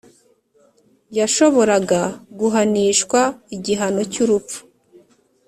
yashoboraga guhanishwa igihano cy’urupfu.